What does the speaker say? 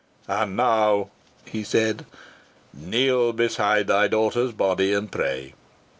"And now," he said, "kneel beside thy daughter's body and pray.